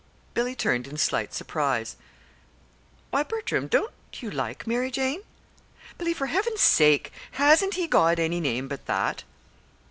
Billy turned in slight surprise. "Why, Bertram, don't you like Mary Jane?" "Billy, for heaven's sake! Hasn't he got any name but that?"